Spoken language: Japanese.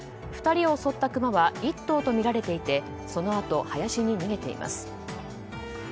２人を襲ったクマは１頭とみられていてそのあと林に逃げています。